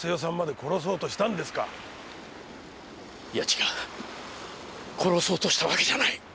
殺そうとしたわけじゃない！